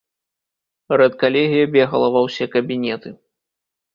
Рэдкалегія бегала ва ўсе кабінеты.